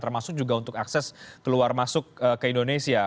termasuk juga untuk akses keluar masuk ke indonesia